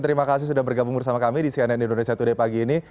terima kasih sudah bergabung bersama kami di cnn indonesia today pagi ini